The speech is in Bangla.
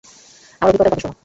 আমার অভিজ্ঞতার কথা শুন।